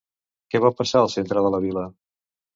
Què va passar al Centre de la vila?